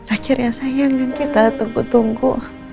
akhirnya sayang dan kita tunggu tunggu